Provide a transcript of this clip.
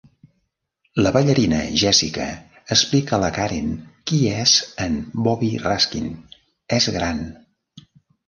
La ballarina Jessica explica a la Karen qui és en Bobby Raskin: "És gran".